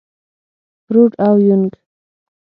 فروډ او يونګ.